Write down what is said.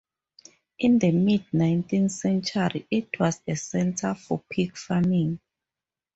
In the mid nineteenth century it was a centre for pig farming.